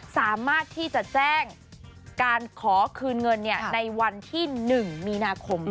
สามารถที่จะแจ้งการขอคืนเงินในวันที่๑มีนาคม